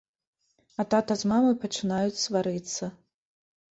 А тата з мамай пачынаюць сварыцца.